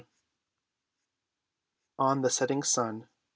ON THE SETTING SUN.